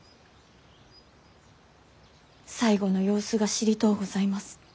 最期の様子が知りとうございます。